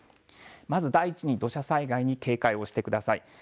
まず第一に土砂災害に警戒をしてください。